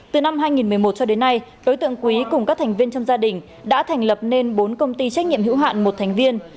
từ năm hai nghìn một mươi một cho đến nay đối tượng quý cùng các thành viên trong gia đình đã thành lập nên bốn công ty trách nhiệm hữu hạn một thành viên